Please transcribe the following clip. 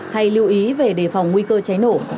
hay lưu ý về đề phòng nguy cơ cháy nổ